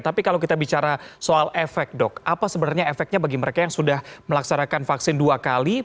tapi kalau kita bicara soal efek dok apa sebenarnya efeknya bagi mereka yang sudah melaksanakan vaksin dua kali